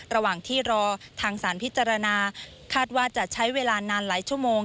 ระหว่างที่รอทางสารพิจารณาคาดว่าจะใช้เวลานานหลายชั่วโมง